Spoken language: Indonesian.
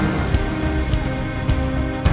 eh tapi aku tahu